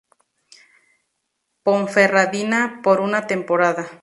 Ponferradina por una temporada.